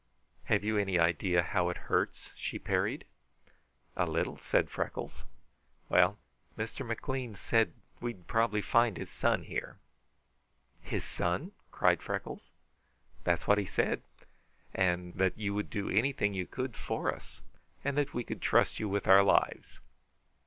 "Have you any idea how it hurts?" she parried. "A little," said Freckles. "Well, Mr. McLean said We'd probably find his son here" "His son!" cried Freckles. "That's what he said. And that you would do anything you could for us; and that we could trust you with our lives.